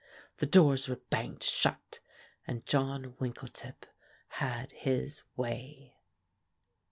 The doors were banged shut, and John Winkletip had his way.